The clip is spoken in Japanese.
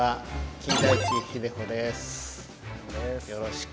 金田一秀穂です。